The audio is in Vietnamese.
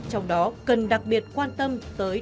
trong đó cần đặc biệt quan tâm tới